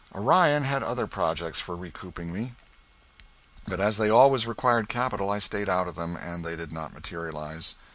Orion had other projects for recouping me, but as they always required capital I stayed out of them, and they did not materialize.